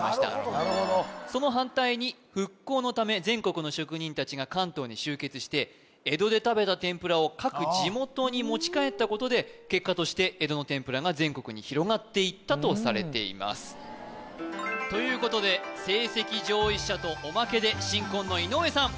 なるほどその反対に復興のため全国の職人達が関東に集結して江戸で食べた天ぷらを各地元に持ち帰ったことで結果として江戸の天ぷらが全国に広がっていったとされていますということで成績上位者とおまけで新婚の井上さん